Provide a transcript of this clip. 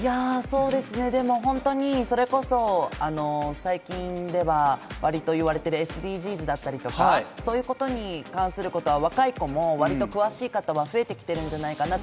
最近ではわりと言われているＳＤＧｓだったりとか、そういうことに関することは若い子も割と詳しい方は増えてきているんじゃないかなと。